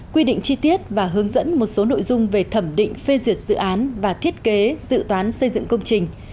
quy định chi tiết và hướng dẫn một số nội dung về thẩm định phê duyệt dự án và thiết kế dự toán xây dựng công trình